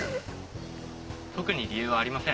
特に理由はありません。